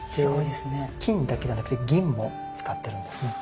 で金だけじゃなくて銀も使ってるんですね。